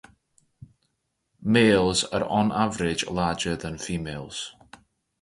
Males are on average larger than females.